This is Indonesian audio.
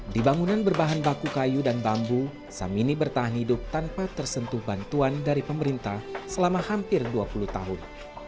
di bangunan berbahan baku kayu dan bambu samini bertahan hidup tanpa tersentuh bantuan dari pemerintah selama hampir dua puluh tahun